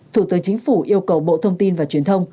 thủ tướng chính phủ yêu cầu bộ thông tin và truyền thông